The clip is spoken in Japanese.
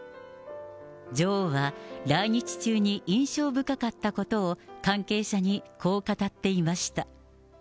女王は、来日中に印象深かったことを、関係者にこう語っていました。